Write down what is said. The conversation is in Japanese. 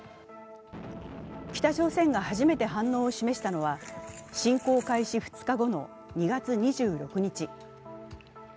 北朝鮮が初めて反応を示したのは侵攻開始２日後の２月２６日。